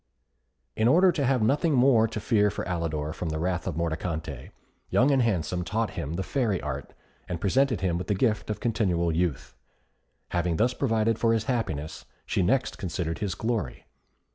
In order to have nothing more to fear for Alidor from the wrath of Mordicante, Young and Handsome taught him the Fairy Art, and presented him with the gift of continual youth. Having thus provided for his happiness, she next considered his glory.